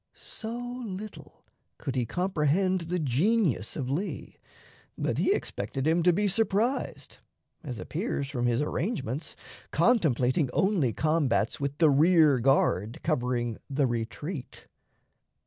So little could he comprehend the genius of Lee, that he expected him to be surprised, as appears from his arrangements contemplating only combats with the rear guard covering the retreat.